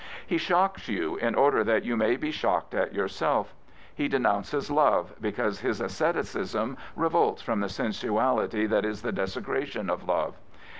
He shocks you in«order that you may be shocked at yourself. He denounces love because his asceticism revolts from the sensuality ^hat is the desecration of love.